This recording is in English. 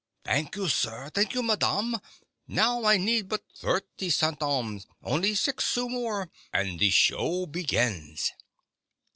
" Thank you, sir. Thank you, madam. Now, I need but thirty centimes — only six sous more, and the show begins